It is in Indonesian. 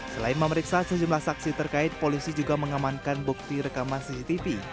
selain memeriksa sejumlah saksi terkait polisi juga mengamankan bukti rekaman cctv